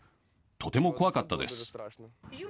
とても怖かったです。